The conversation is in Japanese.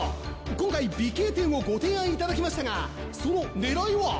今回美型点をご提案いただきましたがその狙いは？